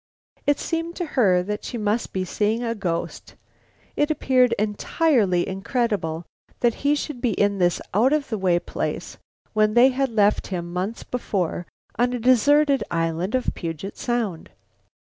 It seemed to her that she must be seeing a ghost. It appeared entirely incredible that he should be in this out of the way place when they had left him, months before, on a deserted island of Puget Sound.